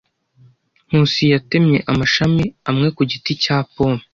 Nkusi yatemye amashami amwe ku giti cya pome.